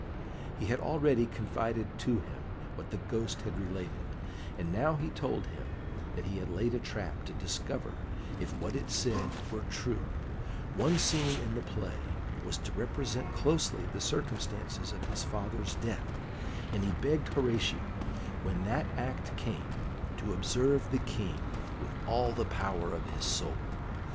He had already confided to him what the Ghost had related, and now he told him that he had laid a trap to discover if what it said were true; one scene in the play was to represent closely the circumstances of his father's death, and he begged Horatio, when that act came, to observe the King with all the power of his soul.